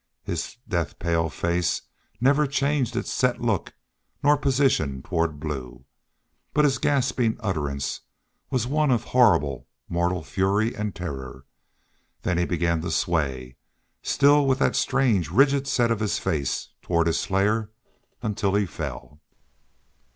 His death pale face never changed its set look nor position toward Blue. But his gasping utterance was one of horrible mortal fury and terror. Then he began to sway, still with that strange, rigid set of his face toward his slayer, until he fell.